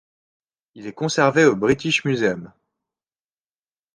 Il est conservé au British Museum.